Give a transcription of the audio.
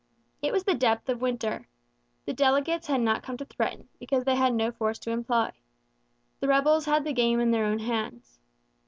It was the depth of winter. The delegates had not come to threaten because they had no force to employ. The rebels had the game in their own hands.